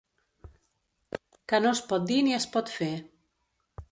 Que no es pot dir ni es pot fer.